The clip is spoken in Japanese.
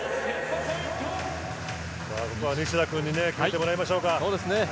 ここは西田君に決めてもらいましょうか。